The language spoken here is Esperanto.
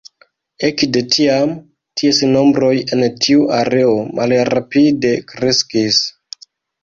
Ekde tiam, ties nombroj en tiu areo malrapide kreskis.